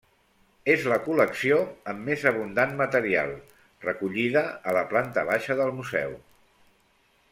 És la col·lecció amb més abundant material, recollida a la planta baixa del museu.